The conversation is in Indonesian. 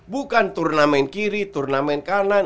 bukan turnamen kiri turnamen kanan